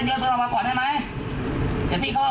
เดี๋ยวพี่เข้าก็เข้าไปคุยกับเรามา